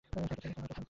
ষষ্ঠ শ্রেণি, স্যার।